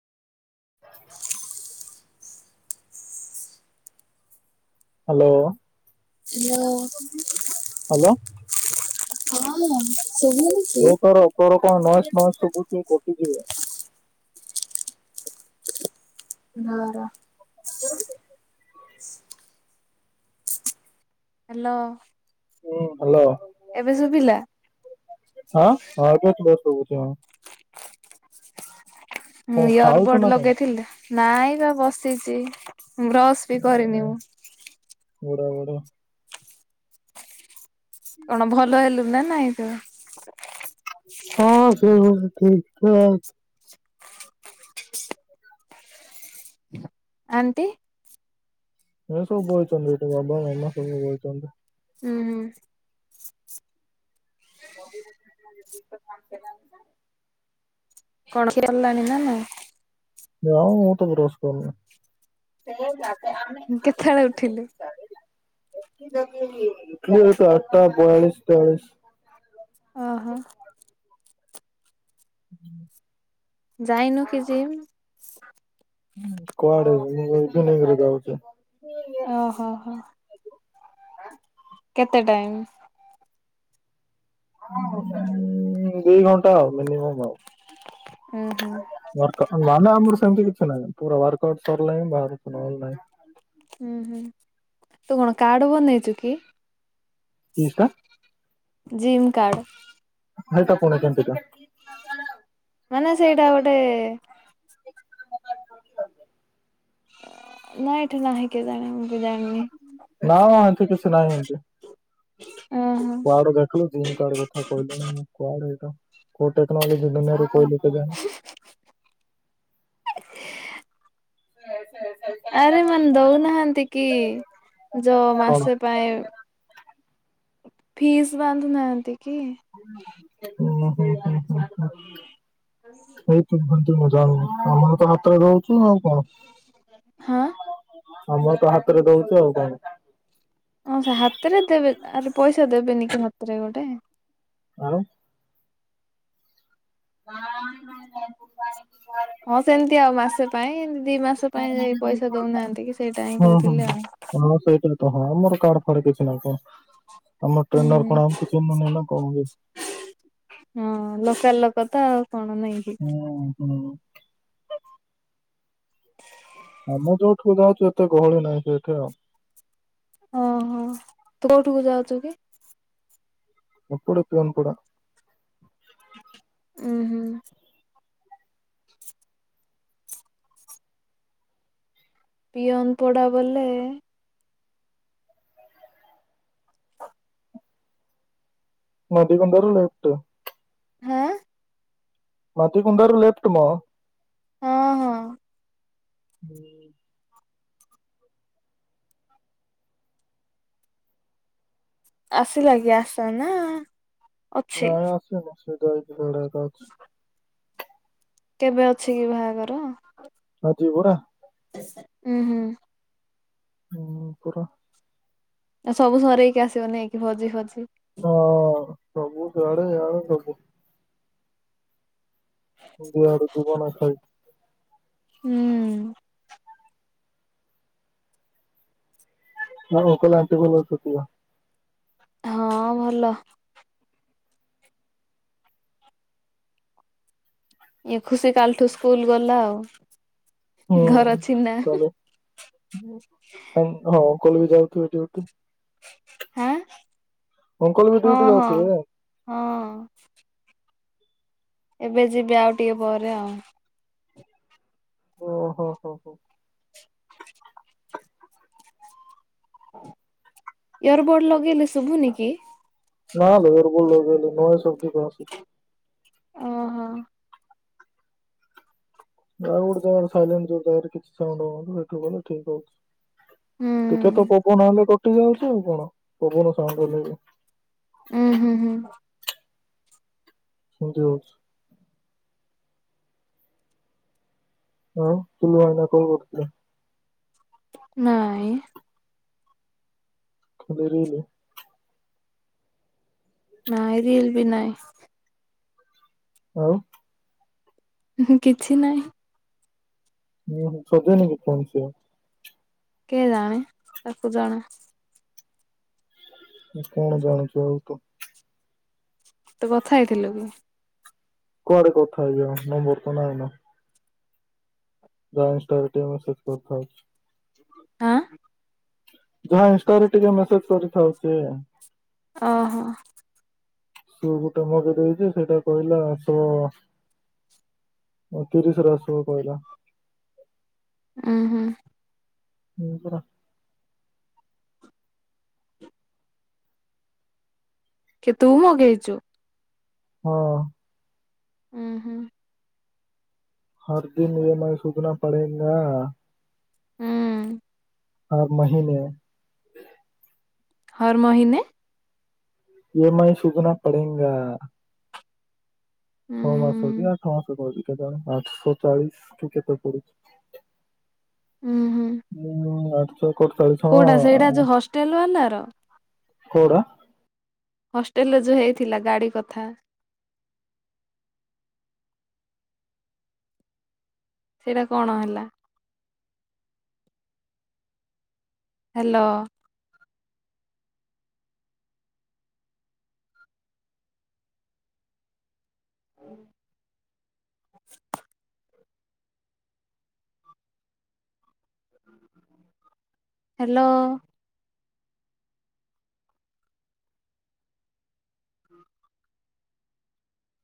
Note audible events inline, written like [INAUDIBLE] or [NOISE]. [INAUDIBLE] Hello. Hello. ହଁ। ଶୁଭୁନି କି। ନୋଇସେ ନୋଇସେ ଶୁଭୁଛି କଟିଯିବ [UNINTELLIGIBLE] [INAUDIBLE] ହ୍ୟାଲୋ। ହୁଁ ଏବେ ଶୁଭିଲା ହ୍ୟାଲୋ। ହଁ ଆ [UNINTELLIGIBLE] ହୁଁ ଇୟର ଖାଉଛୁ ବୋର୍ଡ ନା କଣ ଲଗେଇଥିଲେ ନାଇଁ ବା ବସିଛି। ବ୍ରସ୍ ବି କରିନି ମୁଁ। ଓଡ ଓଡ କଣ ଭଲ ହେଲୁ ନା ନାଇଁ ତୁ ହଁ ସେ ଠିକ୍ ଠାକ୍ ଆଣ୍ଟି ଏ ସବୁ ବଇଚନ୍ତି ଏଠି ବାବା ମାମା ସବୁ ବଇଚନ୍ତି। ହୁଁ। [UNINTELLIGIBLE] କଣ କିରିଲାଣି ନା ନାଇ? ଯ ମୁଁ ତ ବ୍ରସ଼୍ କରିନି। ମୁଁ କେତେବେଳେ ଉଠିଲୁ? ଉଠିଲି କେତେବେଳେ, ଆଠଟା ବୟାଳିଶ ତୟାଳିଶ। ଓ ହୋ। ହୁଁ ଯାଇନୁ କି ଜିମ୍? [INAUDIBLE] କୁଆଡୁ ତ ଇଭିନିଙ୍ଗ ରେ ଯାଉଚି। ଓ ହୋ ହୋ। କେତେ ଟାଇମ୍? ଦିଇ ଘଣ୍ଟା ଆଉ। ମିନିମମ୍, ଉଁ ହୁଁ ମାନେ ଆମର ସେମତି କିଛି ନାହିଁ, ପୁରା ୱାର୍କ ଆଉଟ୍ ସରିଲେ ହିଁ ବାହାରିବୁ ନଲେ ନାଇଁ। ହୁଁ ହୁଁ ତୁ କଣ କାଡ ବନେଇଚୁ କି? କିସଟା ଜିମ୍ କାର୍ଡ। ହେଉତା କଣ କେନ୍ତୁ ତ ମାନେ ସେଇଟା ଗୋଟେ ନାଁ ଏଠି ନାହିଁ କେଏ ଜାଣେ ମୁଁ ତ ଜାଣିନି। ନା ଏଠି କିଛି ନାହିଁ ଏମତି। ଓହୋ। କୁଆଡେ ଦେଖିଲୁ ଜିମ କାର୍ଡ କଥା କହିଲଣି ମୁଁ କୁଆଡେ ଏଇଟା କୋଉ ଟେକ୍ନୋଲୋଜି ଦୁନିଆରେ କହିଲୁ। ତଦ [INAUDIBLE] ଆରେ ମାନେ ଦଉନାହାନ୍ତି କି ଯୋ କଣ? ମାସେ ପାଇଁ? ଫିସ୍ ବାନ୍ଧୁ ନାହାନ୍ତି। କି? ଉଁ ହୁଁ ହୁଁ। ହୁଁ ହୁଁ ହଉତୁ ଭଲ। ମୁ ଜାଣିନି ଆମକୁ ତ ହାତରେ ଦଉଚୁ। ଶୁ ଆଉ କଣ? ହଁ ହଁ ମୁଁ ତ ହାତରେ ଦଉଚୁ ଆଉ କଣ? ହଁ ସେ ହାତରେ ଦେବେ। ଆରେ ପଇସା ଦେବେନି କି ହାତରେ ଗୋଟେ? ଆଉ? [INAUDIBLE] ହଁ ସେମିତି ଆଉ ମାସେ ପାଇଁ ଏମତି ଦି ମାସ ପାଇଁ ପଇସା ଦଉନାହାନ୍ତି କି ସେଇଟା ହିଁ ହୁଁ କହୁଥିଲି ଆଉ। କ ଫ କିଛି ନାହିଁ କଣ ଆମ ଟ୍ରେନର କଣ ହୁଁ ଆମକୁ ଚିହ୍ନନହି ନା କଣ କି କଥା ଆଉ କଣ ନାଇକ କି ହୁଁ ହୁଁ ଆମେ ଯୋଉଠୁ ଯାଉଛୁ ଏତେ ଗହଳି ନାହିଁ ସେଇଠି ଆଉ ଓହୋ ତୁ କୋଉଠିକୁ ଯାଉଛୁ କି ଏପଡ ଏ ପିଓନ କଡ଼ ଉୁଁ ହୁଁ। ପିଅନ ପୋଡା ବଲେ। ନଦ କଣ୍ଡାର ଲ ଏଟ। ହଁ। ମାଟି କୁଣ୍ଡାରୁ ଲେଫ୍ଟ ମ। ହଁ ହଁ। ହୁଁ। ଆସିଲା କିି ଆସ ନା। ଅଛି ନ ଆସନ। ସେ ତ। ବଡ଼ା ରଛି। କେବେ ଅଛି କି ବାହାଘର। ଯବରା। ହୁଁ ହୁଁ। ହୁଁ ପୁର। ଆଉ ସବୁ ସରୋଇକି ଆସିବନକି ଭଜି ଫଜି। ହଁ ସବୁ ଜଡେ ଆାଡେ ସବୁ। ମୁୁଆ ଆ ଦୁବାନ ଖାଇ। ହୁଁ। ହଁ ଓକ ଲନ୍ତି ବୋଲିଛନ୍ତି। ହଁ ଭଲ ଇଏ ଖୁସି କାଲ ଠୁ ସ୍କୁଲ ଗଲା ଆଉ। ଘରେ ଅଛି। [UNINTELLIGIBLE] ହଉ। [UNINTELLIGIBLE] ବି ଯାଉଥିବ ଡ୍ୟୁଟି ହାଁ ଅଙ୍କଲ ବି ହଁ ଡ୍ୟୁଟି ହଁ ଯାଉଥିବେ। ହଁ ଏବେ ଯିବି ଆଉ ଟିକେ ପରେ ଆଉ। ଓ ହୋ ହୋ ହୋ। ଇୟର ବୋଡ ଲଗେଇଲେ ଶୁଭୁନି କି? ନାଲୋ ଇୟର ବଡ଼ ଲଗେଇଲେ [UNINTELLIGIBLE] ଅହଂ ଆଉ ଗୋଟେ ଜାଗାରେ ସାଇଲେଣ୍ଟ ଯଉ ଜାଗାରେ କଲେ କିଛି ସାଉଁଟ [UNINTELLIGIBLE] ଗଲେ ଠିକ ହୋଉଛି। ହୁଁ ଟକେ ତ ପବନ ହେଲେ ତ କଟିଯାଉଛି ଆଉ କଣ ପବନ ସାଉଣ୍ଡ ହେଲେ ହଁ ହୁଁ ହୁଁ। ସେମିତି ହଉଛି। ଆଉ ଟୁଲୁ ଭାଇନା କଣ କରୁଥିଲେ। ନାଇଁ। କଣ ଡ଼ରିଗଲୁ? ନାଇଁରେ ଏଲଦି ନହିଁ। ଆଉ। ହୁଁ କିଛି ନହିଁ। ହୁଁ ହୁଁ ସୁଜୁନି କିଛି। [UNINTELLIGIBLE] କେଏ ଜାଣେ ତାକୁ ଯଣା। କଣ ଜାଣୁଚୁ ଆଉ କ। ତୁ କଥା ହେଇଥିଲୁ କି? କୁଆଡେ କଥା ହେଇ ଯିବି ନମ୍ବର ତ ନାଇଁନ। ଡ୍ୟାନ୍ସ ଏ ମେସେଜ କରଥାଉଛି। ଆଁ। ଯାହା ଇନଷ୍ଟାରେ ଟିକେ ମେସେଜ କରିଥାଉଚି। ଓ ହୋ। ସେ ଗୋଟେ ମଗେଇ ଦେଇଛି ସେଇଟା କହିଲା ଶ ତିରିଶ ରେ ଆସିବ କହିଲା। ଓଁ ହୁଁ। ହୁଁ ପରା। କି ତୁ ମଗେଇଛୁ। ହଁ। ହୁଁ ହୁଁ। ହର ଦିନ ଇ ମାଇ ସୁଝନା ପଡେଙ୍ଗା। ହୁଁ ହଁ ମହିନେ। ହର ମହିନେ। E M I ଶୁଝନା ପଡେଙ୍ଗା। ଛଅ ମାସ ଉଁ କି [UNINTELLIGIBLE] ମାସ କହୁଛି। କେଜାଣି ଆଠଶ ଚାଳିଶ କି କେତେ ପଡିଛି। ଉୁଁ ହୁଁ ହୁଁ। [UNINTELLIGIBLE] କୋଉଟା ସେଇଟା ଯୋଉ ହଷ୍ଟେଲ ବାଲା ର। କଉଟା। ହଷ୍ଟେଲରେ ଯୋଉ ହେଇଥିଲା ଗାଡି କଥା। ସେଇଟା କଣ ହେଲା। ହ୍ୟାଲୋ। ହଁ। ହ୍ୟାଲୋ।